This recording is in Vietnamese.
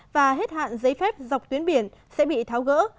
và hết hạn giấy phép dọc tuyến biển sẽ bị tháo gỡ